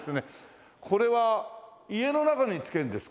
これは家の中に付けるんですか？